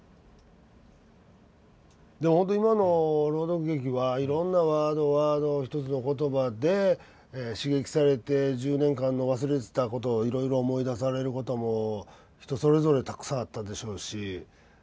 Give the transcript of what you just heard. でもほんと今の朗読劇はいろんなワードワード１つの言葉で刺激されて１０年間の忘れてたことをいろいろ思い出されることも人それぞれたくさんあったでしょうし。